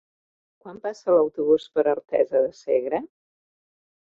Quan passa l'autobús per Artesa de Segre?